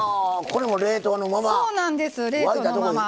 これも冷凍のまま。